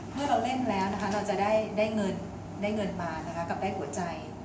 เมื่อเราเล่นแล้วเราจะได้เงินมากับได้หัวใจ